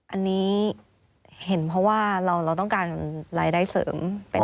อันนี้เห็นเพราะว่าเราต้องการรายได้เสริม